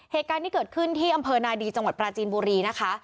เหตุการณ์ที่เกิดขึ้นที่อำเภอนาดีจังหวัดปราจีนบุรีนะคะ